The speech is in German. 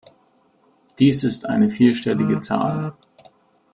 Dies ist eine vierstellige Zahl.